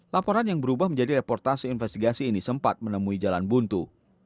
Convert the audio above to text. laporan yang berubah menjadi reportasi investigasi ini sempat menemui jalan buntu